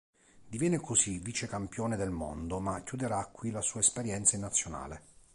Diviene così vicecampione del mondo, ma chiuderà qui la sua esperienza in Nazionale.